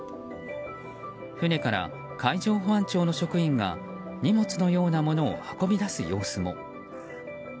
船から海上保安庁の職員が荷物のようなものを運び出す様子も。